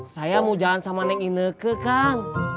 saya mau jalan sama neng ineke kang